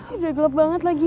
udah gelap banget lagi